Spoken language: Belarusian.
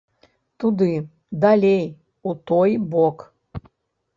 Туды, далей у той бок.